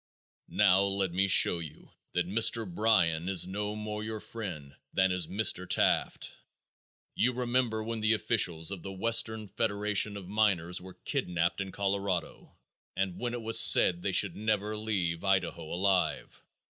Now let me show you that Mr. Bryan is no more your friend than is Mr. Taft. You remember when the officials of the Western Federation of Miners were kidnaped in Colorado, and when it was said they should never leave Idaho alive.